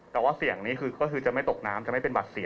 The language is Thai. แต่ว่าเสี่ยงนี้ก็คือจะไม่ตกน้ำ